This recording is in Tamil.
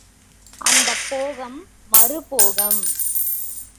அந்தப் போகம், மறு போகம்.